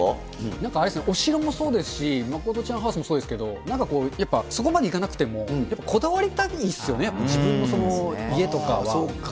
なんかあれですね、お城もそうですし、まことちゃんハウスもそうですけど、なんかこう、やっぱりそこまでいかなくても、やっぱこだわりたいですよね、そうか。